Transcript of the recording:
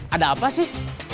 ada apa sih